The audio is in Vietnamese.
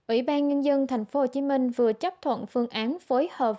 ủy ban nhân dân tp hcm vừa chấp thuận phương án phối hợp